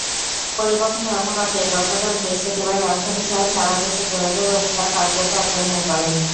পরিবহন ধর্মঘটে গতকাল বৃহস্পতিবার রাজধানীসহ সারা দেশের যোগাযোগব্যবস্থা কার্যত অচল হয়ে পড়ে।